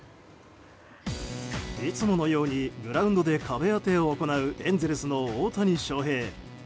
いつものようにグラウンドで壁当てを行うエンゼルスの大谷翔平。